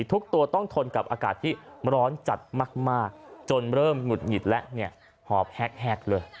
ทุกตัวต้องทนกับอากาศที่ร้อนจัดมากจนเริ่มหงุดหงิดแล้วเนี่ยหอบแฮกเลย